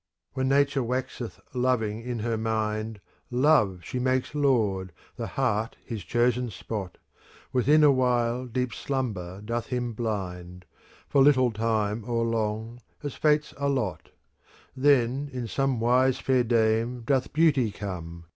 When Nature waxeth loving in her mind, * Love she makes Lord, the heart his chosen spot. Within awhile deep slumber doth him blind. For little time or long, as fates allot : Then in some wise fair dame doth beauty come.